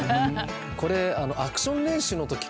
これアクション練習のときから。